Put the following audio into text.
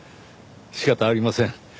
仕方ありません。